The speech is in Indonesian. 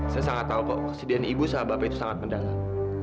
saya sangat tahu kok kesedihan ibu sama bapak itu sangat mendalam